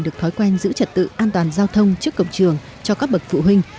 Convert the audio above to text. được thói quen giữ trật tự an toàn giao thông trước cổng trường cho các bậc phụ huynh